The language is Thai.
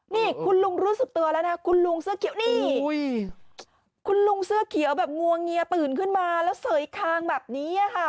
นี่คุณลุงรู้สึกตัวแล้วนะคุณลุงเสื้อเขียวนี่